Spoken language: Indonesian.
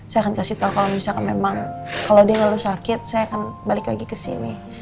saya akan kasih tahu kalau misalkan memang kalau dia lalu sakit saya akan balik lagi ke sini